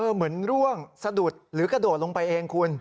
เหมือนร่วงสะดุดหรือกระโดดลงไปเองคุณ